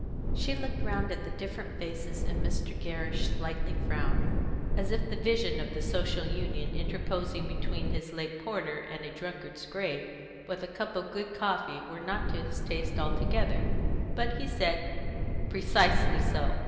She looked round at the different faces, and Mr. Gerrish slightly frowned, as if the vision of the Social Union interposing between his late porter and a drunkard's grave, with a cup of good coffee, were not to his taste altogether; but he said: "Precisely so!